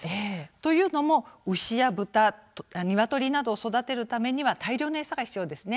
というのも牛や豚、鶏などを育てるためには大量の餌が必要ですよね。